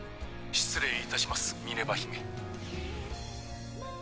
失礼いたしますミネバ姫。